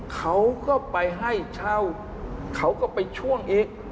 เขาก็ไปให้เช่าเขาก็ไปช่วงอีก